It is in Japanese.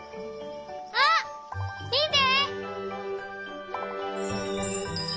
あっ！みて！